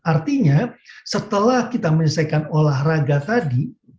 artinya setelah kita menyelesaikan olahraga tadi